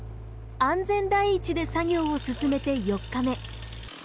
安全第一で作業を進めて４日目。